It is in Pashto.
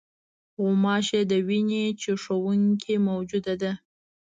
غوماشه د وینې چوشوونکې موجوده ده.